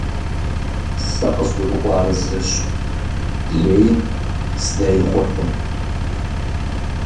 Сэ къызгурыӀуар зыщ: лейр зэи гъуркъым.